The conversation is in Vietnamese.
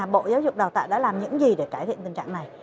bộ giáo dục đào tạo đã làm những gì để cải thiện tình trạng này